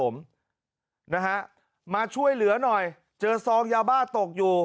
นะฮะมาช่วยเหลือหน่อยเจอซองยาบ้าตกอยู่